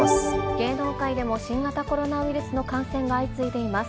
芸能界でも新型コロナウイルスの感染が相次いでいます。